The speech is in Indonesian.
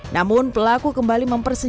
namun pelaku kembali mempersisir